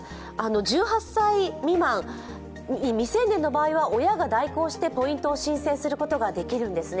１８歳未満、未成年の場合は親が代行してポイントを申請することができるんですね。